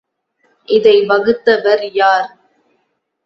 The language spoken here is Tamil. இதை வகுத்தவர் யார்?